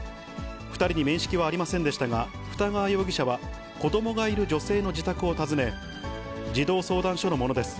２人に面識はありませんでしたが、二川容疑者は子どもがいる女性の自宅を訪ね、児童相談所のものです。